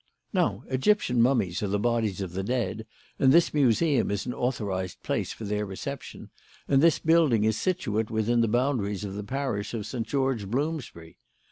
Now Egyptian mummies are the bodies of the dead, and this Museum is an authorised place for their reception; and this building is situate within the boundaries of the parish of St. George, Bloomsbury.